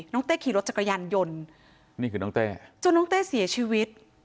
น้องเต้ขี่รถจากกระยันยนต์จนน้องเต้เสียชีวิต